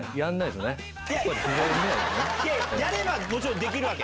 やればもちろんできるわけ？